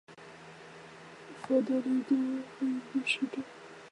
德弗雷根谷地圣雅各布是奥地利蒂罗尔州利恩茨县的一个市镇。